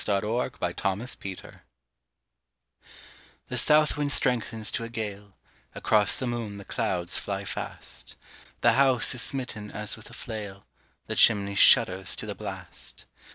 Robert Bridges Low Barometer THE south wind strengthens to a gale, Across the moon the clouds fly fast, The house is smitten as with a flail, The chimney shudders to the blast.